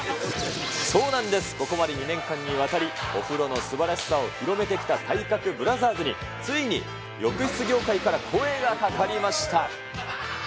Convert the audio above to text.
そうなんです、ここまで２年間にわたり、お風呂のすばらしさを広めてきた体格ブラザーズについに浴室業界から声がかかりました。